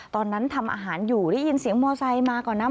ตอนนั้นทำอาหารอยู่ได้ยินเสียงมอไซค์มาก่อนนะ